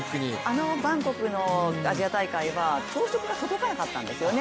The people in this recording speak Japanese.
あのバンコクのアジア大会は朝食が届かなかったんですよね。